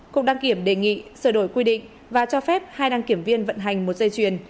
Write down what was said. cục đăng kiểm đề nghị sửa đổi quy định và cho phép hai đăng kiểm viên vận hành một dây chuyền